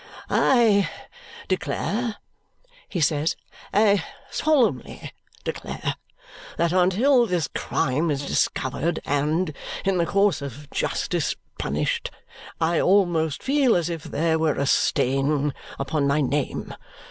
"I declare," he says, "I solemnly declare that until this crime is discovered and, in the course of justice, punished, I almost feel as if there were a stain upon my name.